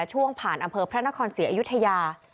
ช่วงผ่านอำเภอพระนครศรีอยุธยา